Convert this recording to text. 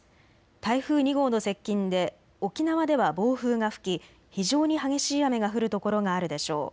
台風２号の接近で沖縄では暴風が吹き非常に激しい雨が降る所があるでしょう。